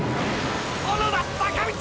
小野田坂道！！